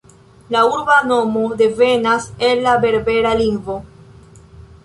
La urba nomo devenas el la berbera lingvo.